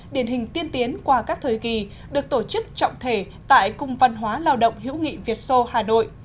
điển hình tiên tiến qua các thời kỳ được tổ chức trọng thể tại cung văn hóa lao động hữu nghị việt sô hà nội